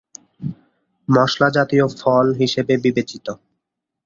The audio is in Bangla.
মশলা জাতীয় ফল হিসেবে বিবেচিত।